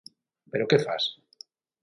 Pero que fas.